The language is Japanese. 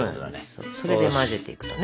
それで混ぜていくとね。